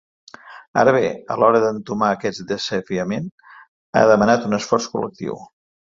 Ara bé, a l’hora d’entomar aquest desafiament, ha demanat un esforç col·lectiu.